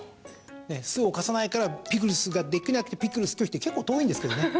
酢を貸さないからピクルスができなくてピクルス拒否って結構遠いんですけどね。